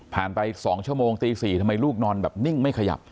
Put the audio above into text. ไป๒ชั่วโมงตี๔ทำไมลูกนอนแบบนิ่งไม่ขยับ